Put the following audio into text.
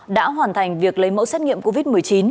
đã hoàn thành việc lấy mẫu xét nghiệm covid một mươi chín